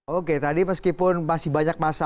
oke tadi meskipun masih banyak masalah